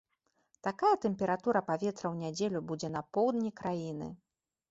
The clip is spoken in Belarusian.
Такая тэмпература паветра ў нядзелю будзе на поўдні краіны.